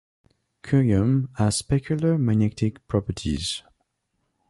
Curium has peculiar magnetic properties.